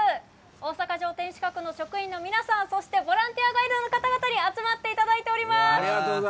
大阪城天守閣の職員の皆さんそしてボランティアガイドの方々に集まっていただいております！